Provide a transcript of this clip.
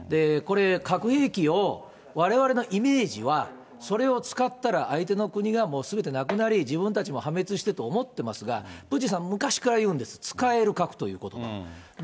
これ、核兵器をわれわれのイメージはそれを使ったら、相手の国がすべてなくなり、自分たちも破滅してと思ってますが、プーチンさん、昔から言うんです、使える核ということば。